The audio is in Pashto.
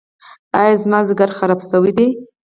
ایا زما ځیګر خراب شوی دی؟